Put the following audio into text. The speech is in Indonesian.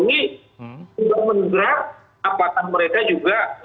untuk mengerak apatan mereka juga